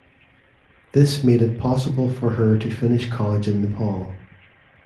This made it possible for her to finish college in Nepal.